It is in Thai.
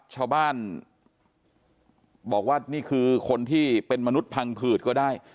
ชาวบ้านบอกว่านี่คือคนที่เป็นมนุษย์พังผืดก็ได้